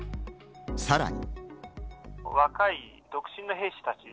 さらに。